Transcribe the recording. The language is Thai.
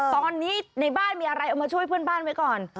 ตอนนี้ในบ้านมีอะไรเอามาช่วยเพื่อนบ้านไว้ก่อน